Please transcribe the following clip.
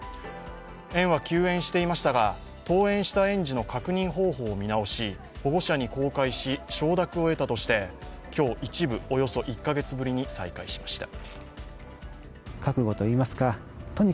園は休園していましたが、登園した園児の確認方法を見直し、保護者に公開し、承諾を得たとして今日、一部、およそ１カ月ぶりに再開しました。